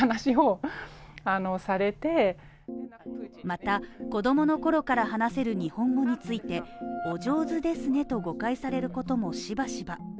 また、子供のころから話せる日本語についてお上手ですねと誤解されることもしばしば。